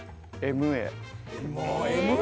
ＭＡ。